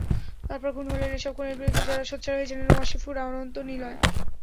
তারপর খুন হলেন এসব খুনের বিরুদ্ধে যাঁরা সোচ্চার হয়েছিলেন—ওয়াশিকুর, অনন্ত, নিলয়।